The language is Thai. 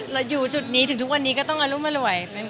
อยู่จุดนี้ถึงทุกวันนี้ก็ต้องอรุมอร่วย